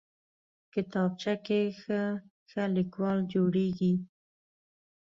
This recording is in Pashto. کتابچه کې ښه لیکوال جوړېږي